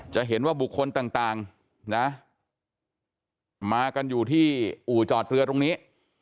จะเห็นว่าบุคคลต่างนะมากันอยู่ที่อู่จอดเรือตรงนี้